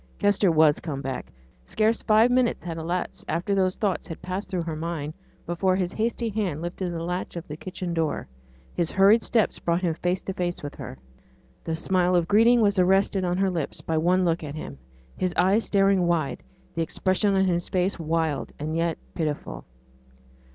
Kester was come back. Scarce five minutes had elapsed after these thoughts had passed through her mind before his hasty hand lifted the latch of the kitchen door, his hurried steps brought him face to face with her. The smile of greeting was arrested on her lips by one look at him: his eyes staring wide, the expression on his face wild, and yet pitiful.